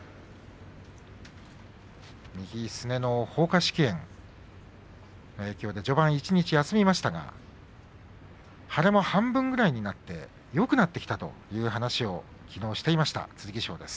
右すねのほうか織炎の影響で序盤休みましたが腫れも半分ぐらいになってよくなってきたという話をきのうしていました剣翔です。